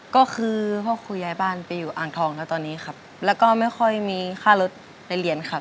ก็คือพ่อครูย้ายบ้านไปอยู่อ่างทองแล้วตอนนี้ครับแล้วก็ไม่ค่อยมีค่ารถในเรียนครับ